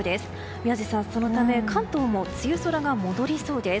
宮司さん、そのため関東も梅雨空が戻りそうです。